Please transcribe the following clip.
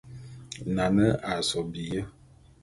Nane a sob biyé.